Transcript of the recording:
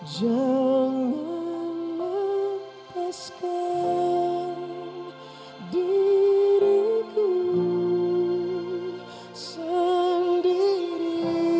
jangan mempaskan diriku sendiri